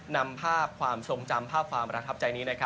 นำภาพความทรงจำภาพความประทับใจนี้